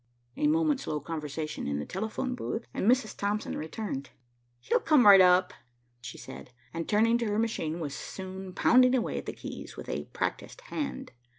A moment's low conversation in the telephone booth, and Mrs. Thompson returned. "He'll come right up," she said, and, turning to her machine, was soon pounding away at the keys with a practised hand.